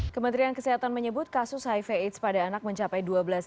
kementerian kesehatan menyebut kasus hiv aids pada anak mencapai dua belas lima ratus lima puluh tiga